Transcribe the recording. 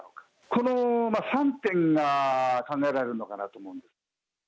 この３点が考えられるのかなと思います。